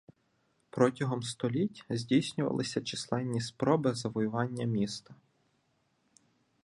Протягом століть здійснювалися численні спроби завоювання міста.